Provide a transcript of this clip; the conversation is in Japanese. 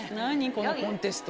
このコンテスト。